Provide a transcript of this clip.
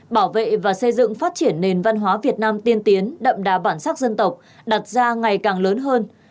bảo vệ và xây dựng phát triển nền văn hóa việt nam tiên tiến đậm đà bản sắc dân tộc đặt ra ngày càng lớn hơn